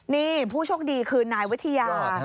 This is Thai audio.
นี่ผู้โชคดีคือนายวิทยา